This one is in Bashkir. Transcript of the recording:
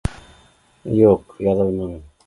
Юҡ яҙылманым